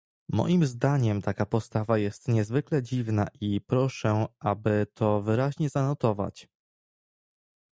Moim zdaniem taka postawa jest niezwykle dziwna i proszę, aby to wyraźnie zanotować